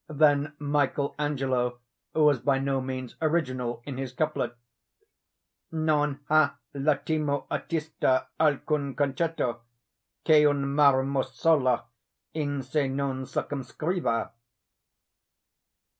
Then Michael Angelo was by no means original in his couplet— 'Non ha l'ottimo artista alcun concetto Che un marmo solo in se non circunscriva.